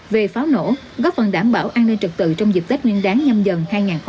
về pháo nổ góp phần đảm bảo an ninh trật tự trong dịp tết nguyên đáng nhâm dần hai nghìn hai mươi bốn